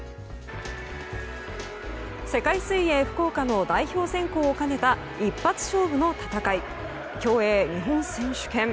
世界水泳福岡の代表選考を兼ねた一発勝負の戦い競泳日本選手権。